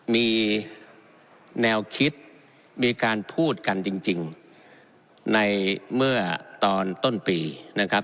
มีแนวคิดมีการพูดกันจริงในเมื่อตอนต้นปีนะครับ